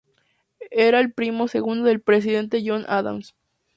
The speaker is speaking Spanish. Era el primo segundo del Presidente John Adams.